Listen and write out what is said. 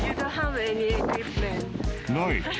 ない。